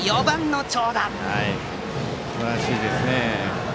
すばらしいですね。